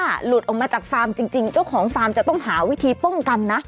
ถ้าหลุดออกมาจากฟาร์มจริงเจ้าของฟาร์มจะต้องหาวิธีป้องกันนะ